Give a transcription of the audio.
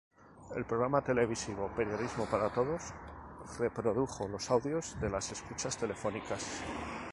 El programa televisivo "Periodismo Para Todos" reprodujo los audios de las escuchas telefónicas.